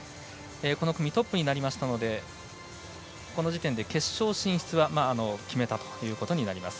この組トップになりましたのでこの時点で決勝進出は決めたということになります。